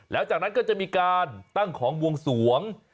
แล้วจากนั้นก็จะมีการตั้งของวงสวง